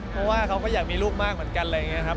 เพราะว่าเขาก็อยากมีลูกมากเหมือนกัน